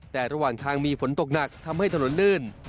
แต่ระหว่างทางมีฝนตกหนักทำให้ถนนลื่น